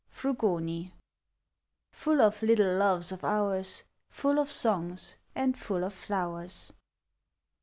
"— FRUGONL Full of little loves of ours, Full of songs, and full of flowers.